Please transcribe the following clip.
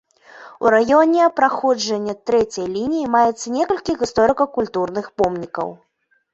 У раёне праходжання трэцяй лініі маецца некалькі гісторыка-культурных помнікаў.